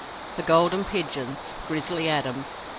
THE GOLDEN PIGEONS. GRIZZLY ADAMS.